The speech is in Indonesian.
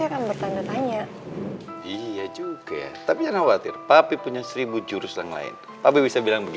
akan bertanda tanya iya juga tapi khawatir papi punya seribu jurus yang lain papi bisa bilang